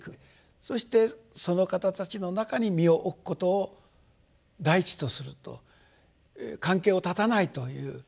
そしてその方たちの中に身を置くことを第一とすると関係を絶たないという。